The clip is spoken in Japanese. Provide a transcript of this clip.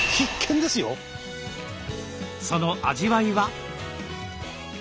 その味わいは？